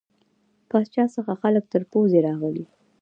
پاچا څخه خلک تر پوزې راغلي.